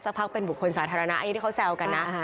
พักเป็นบุคคลสาธารณะอันนี้ที่เขาแซวกันนะ